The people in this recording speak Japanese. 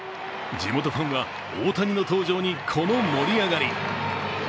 地元ファンは大谷の登場に、この盛り上がり。